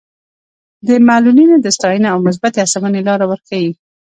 د معلولینو د ستاینې او مثبتې هڅونې لاره ورښيي.